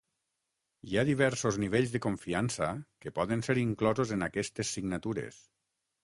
Hi ha diversos nivells de confiança que poden ser inclosos en aquestes signatures.